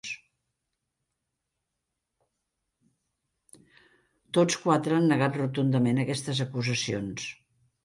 Tots quatre han negat rotundament aquestes acusacions.